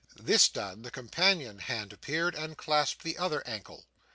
This done, the companion hand appeared, and clasped the other ankle.